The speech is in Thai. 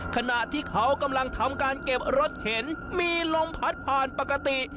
ขณะที่เขากำลังทำการเก็บรถเข็นมีลมพัดผ่านปกติ